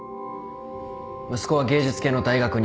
息子は芸術系の大学に行きたい。